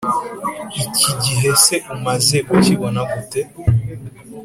iki gihugu se umaze kukibona gute?